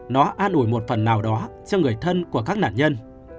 nó an ủi một phần nào đó cho người thân của các nạn nhân